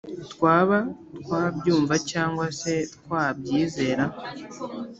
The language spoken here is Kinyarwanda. twaba twabyumva cyangwa se twabyizera.